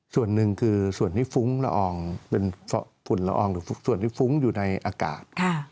ส่วนหนึ่งคือส่วนที่ฟุ้งละอองเป็นฝุ่นละอองทุกส่วนที่ฟุ้งอยู่ในอากาศ